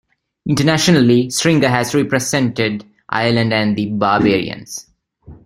Internationally, Stringer has represented Ireland and the Barbarians.